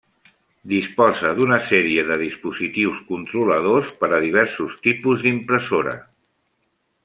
Disposa d'una sèrie de dispositius controladors per a diversos tipus d'impressora.